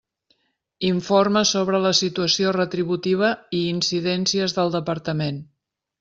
Informa sobre la situació retributiva i incidències del Departament.